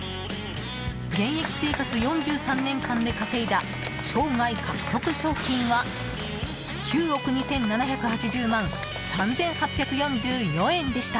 現役生活４３年間で稼いだ生涯獲得賞金は９億２７８０万３８４４円でした。